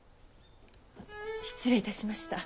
失礼いたしました。